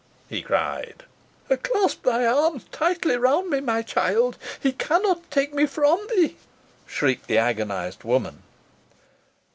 he cried. "Clasp thy arms tightly round me, my child. He cannot take me from thee," shrieked the agonised woman.